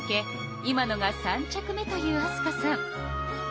今のが３着目という明日香さん。